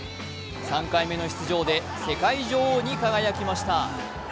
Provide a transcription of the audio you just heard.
３回目の出場で世界女王に輝きました。